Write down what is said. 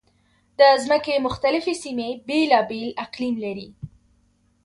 د ځمکې مختلفې سیمې بېلابېل اقلیم لري.